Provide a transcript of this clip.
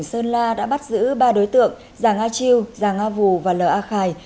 tỉnh sơn la đã bắt giữ ba đối tượng già nga chiêu già nga vù và l a khai